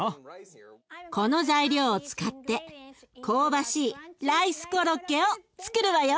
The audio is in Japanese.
この材料を使って香ばしいライスコロッケをつくるわよ。